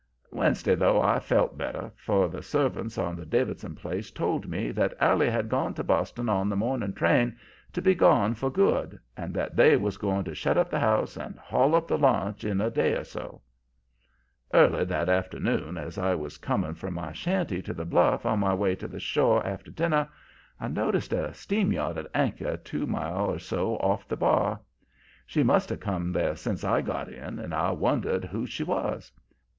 Wednesday, though, I felt better, for the servants on the Davidson place told me that Allie had gone to Boston on the morning train to be gone for good, and that they was going to shut up the house and haul up the launch in a day or so. "Early that afternoon, as I was coming from my shanty to the bluff on my way to the shore after dinner, I noticed a steam yacht at anchor two mile or so off the bar. She must have come there sence I got in, and I wondered whose she was.